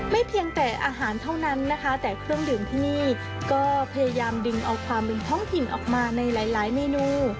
เพียงแต่อาหารเท่านั้นนะคะแต่เครื่องดื่มที่นี่ก็พยายามดึงเอาความเป็นท้องถิ่นออกมาในหลายเมนู